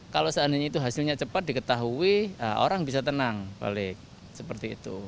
kalau seandainya itu hasilnya cepat diketahui orang bisa tenang balik seperti itu